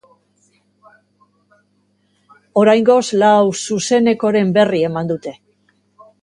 Oraingoz lau zuzenekoren berri eman dute.